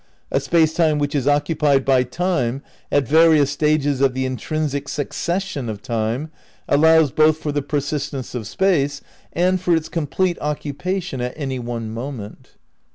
... A Space Time which is occupied by Time at various stages of the intrinsic succession of Time allows both for the persistence of Space and for its complete occupation at any one moment."